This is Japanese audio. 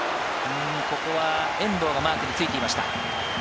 遠藤がマークに付いていました。